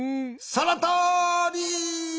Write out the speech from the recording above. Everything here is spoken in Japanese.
そのとおり！